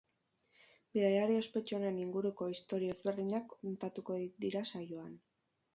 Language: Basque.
Bidaiari ospetsu honen inguruko istorio ezberdinak kontatuko dira saioan.